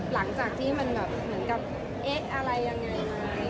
หลังจากที่มันแบบเหมือนกับเอ๊ะอะไรยังไงไหม